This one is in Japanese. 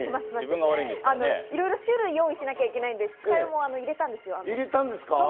いろいろ種類を用意しなきゃいけないので二日酔いも入れました。